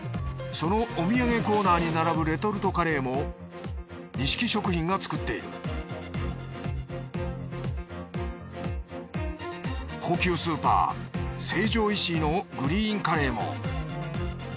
そのお土産コーナーに並ぶレトルトカレーもにしき食品が作っている高級スーパー成城石井のグリーンカレーも。